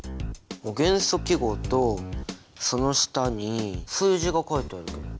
元素記号とその下に数字が書いてあるけど。